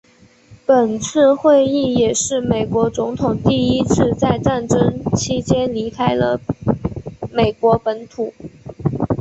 本次会议也是美国总统第一次在战争期间离开了美国本土。